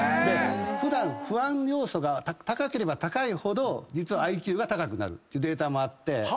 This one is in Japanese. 普段不安要素が高ければ高いほど実はＩＱが高くなるっていうデータもあって。